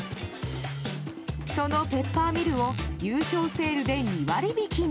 そのペッパーミルを優勝セールで２割引きに。